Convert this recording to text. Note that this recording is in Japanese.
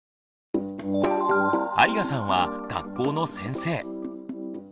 有我さんは学校の先生。